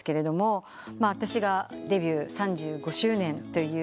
私がデビュー３５周年。